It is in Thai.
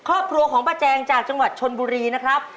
ครอบครัวของป้าแจงจากจังหวัดชนบุรีนะครับ